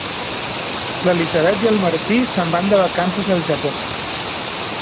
L'Elisabet i el Martí se'n van de vacances al Japó.